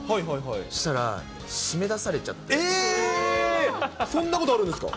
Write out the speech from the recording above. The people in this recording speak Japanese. そしたら、えー、そんなことあるんですか？